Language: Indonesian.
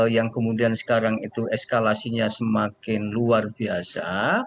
yang kemudian sekarang itu eskalasinya semakin luar biasa